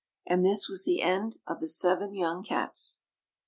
And this was the end of the seven young cats.